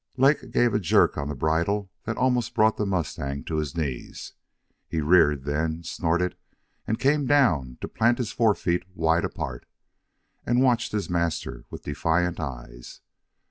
Lake gave a jerk on the bridle that almost brought the mustang to his knees. He reared then, snorted, and came down to plant his forefeet wide apart, and watched his master with defiant eyes.